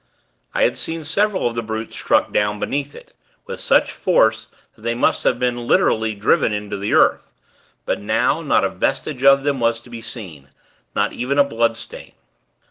I had seen several of the brutes struck down beneath it, with such force that they must have been literally driven into the earth; and now, not a vestige of them was to be seen not even a bloodstain.